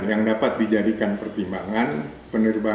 yang dapat dijadikan pertimbangan